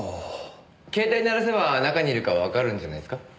携帯鳴らせば中にいるかわかるんじゃないですか？